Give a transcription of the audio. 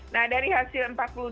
nah dari hasil empat puluh dua